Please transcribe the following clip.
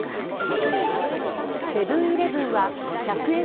セブン−イレブンは１００円